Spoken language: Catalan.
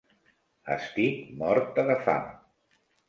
Estic morta de fam.